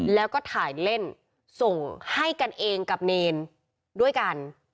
แล้วก็ถ่ายเล่นส่งให้กันเองกับเนรด้วยกัน